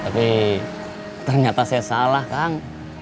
tapi ternyata saya salah kang